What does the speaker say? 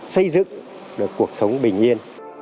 xây dựng cuộc sống bình yên